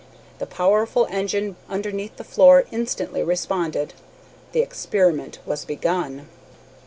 The powerful engine underneath the floor instantly responded. The experiment was begun.